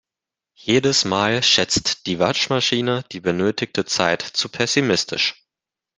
Jedes Mal schätzt die Waschmaschine die benötigte Zeit zu pessimistisch.